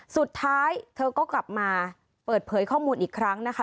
สุดท้ายเธอก็กลับมาเปิดเผยข้อมูลอีกครั้งนะคะ